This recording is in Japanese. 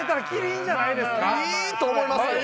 いいと思いますよ。